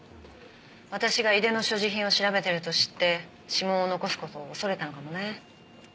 私が井出の所持品を調べてると知って指紋を残す事を恐れたのかもね。